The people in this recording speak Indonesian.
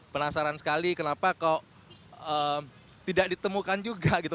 penasaran sekali kenapa kok tidak ditemukan juga gitu